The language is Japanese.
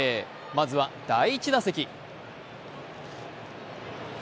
まずは第１打席。